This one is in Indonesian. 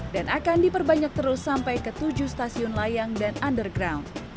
akan diperbanyak terus sampai ke tujuh stasiun layang dan underground